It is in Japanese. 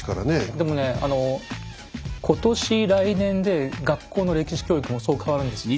でもね今年来年で学校の歴史教育もそう変わるんですよ。